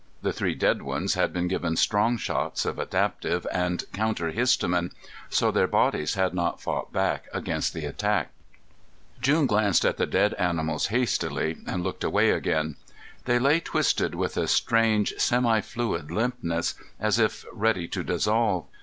The three dead ones had been given strong shots of adaptive and counter histamine, so their bodies had not fought back against the attack. June glanced at the dead animals hastily and looked away again. They lay twisted with a strange semi fluid limpness, as if ready to dissolve.